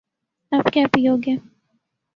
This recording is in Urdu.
آپ کیا پیو گے